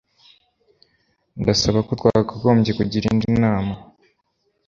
Ndasaba ko twakagombye kugira indi nama.